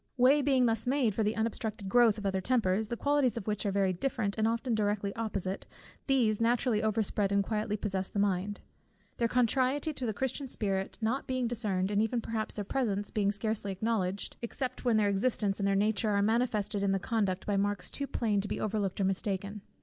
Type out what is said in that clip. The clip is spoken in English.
Way being thus made for the unobstructed growth of other tempers, the qualities of which are very different, and often directly opposite, these naturally overspread and quietly possess the mind; their contrariety to the Christian spirit not being discerned, and even perhaps their presence being scarcely acknowledged, except when their existence and their nature are manifested in the conduct by marks too plain to be overlooked or mistaken.